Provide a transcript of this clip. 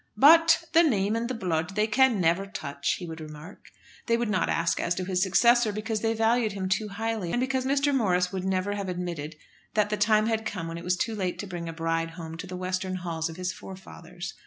"But the name and the blood they can never touch," he would remark. They would not ask as to his successor, because they valued him too highly, and because Mr. Morris would never have admitted that the time had come when it was too late to bring a bride home to the western halls of his forefathers.